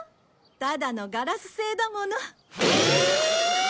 ただのガラス製だもの。ええーっ！？